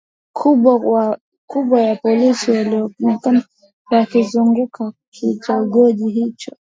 kubwa ya polisi walionekana wakizunguka kitongoji hicho